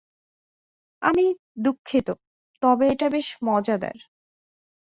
আমি দুঃখিত, তবে এটা বেশ মজাদার।